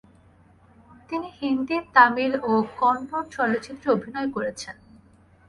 তিনি হিন্দি, তামিল ও কন্নড় চলচ্চিত্রে অভিনয় করেছেন।